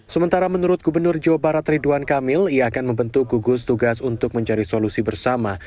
sementara menurut gubernur jawa barat ridwan kamil ia akan membentuk gugus tugas untuk mencari solusi bersama